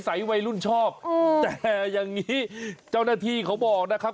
วัยรุ่นชอบแต่อย่างนี้เจ้าหน้าที่เขาบอกนะครับ